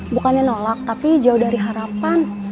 bukannya nolak tapi jauh dari harapan